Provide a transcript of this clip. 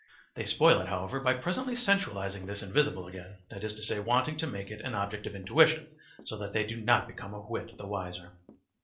They spoil it, however, by presently sensualizing this invisible again; that is to say, wanting to make it an object of intuition, so that they do not become a whit the wiser.